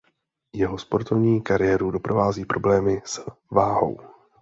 Jeho sportovní kariéru doprovází problémy s váhou.